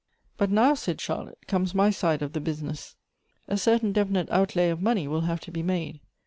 ''" But now," said Charlotte, " comes my side of the busi ness. A certain definite outlay of money will have to be made.